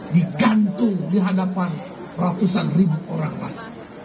digantung di hadapan ratusan ribu orang lain